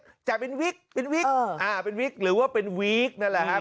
หนุ่มสาวหน้างานเขาเรียกแจะเป็นวิกเป็นวิกหรือว่าเป็นวี๊กนั่นแหละครับ